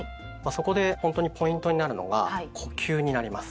そこでほんとにポイントになるのが呼吸になります。